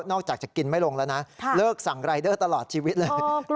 อกจากจะกินไม่ลงแล้วนะเลิกสั่งรายเดอร์ตลอดชีวิตเลย